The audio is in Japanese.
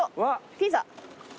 ピザ？